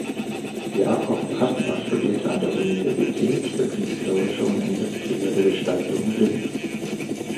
Jakob Kattner studierte an der Universität für künstlerische und industrielle Gestaltung Linz.